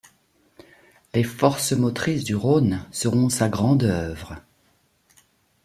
Les Forces motrices du Rhône seront sa grande œuvre.